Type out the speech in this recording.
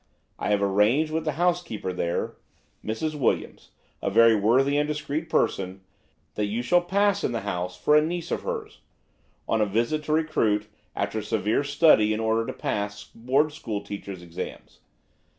I have arranged with the housekeeper there–Mrs. Williams, a very worthy and discreet person–that you shall pass in the house for a niece of hers, on a visit to recruit, after severe study in order to pass board school teachers' exams.